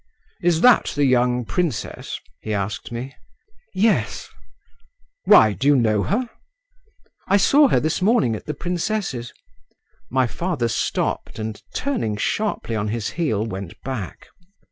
"Is that the young princess?" he asked me. "Yes." "Why, do you know her?" "I saw her this morning at the princess's." My father stopped, and, turning sharply on his heel, went back.